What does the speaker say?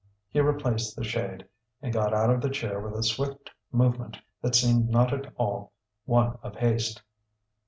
He replaced the shade, and got out of the chair with a swift movement that seemed not at all one of haste.